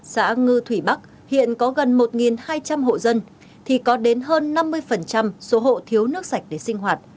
xã ngư thủy bắc hiện có gần một hai trăm linh hộ dân thì có đến hơn năm mươi số hộ thiếu nước sạch để sinh hoạt